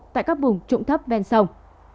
tại các vùng trỗng thấp ven sông